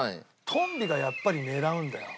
トンビがやっぱり狙うんだよ